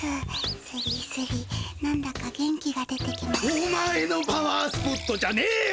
おまえのパワースポットじゃねえよ！